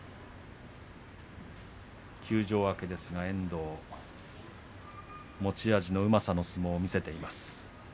休場明けですが、遠藤持ち味のうまさの相撲を見せています。